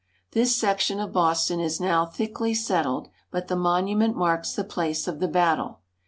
This section of Boston is now thickly settled, but the monument marks the place of the battle.